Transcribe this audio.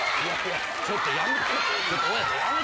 ちょっとやめ。